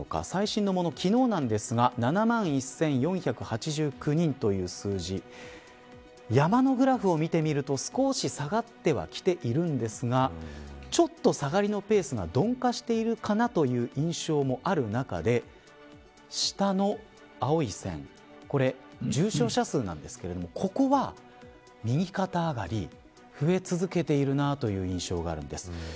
最新のもの、昨日なんですが７万１４８９人という数字山のグラフを見てみると少し下がってはきているんですがちょっと下がりのペースが鈍化しているかなという印象もある中で下の青い線これ重症者数なんですけれどもここは右肩上がり増え続けているなという印象があるんです。